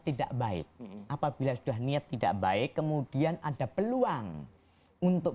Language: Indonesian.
tidak baik apabila sudah niat tidak baik kemudian ada peluang untuk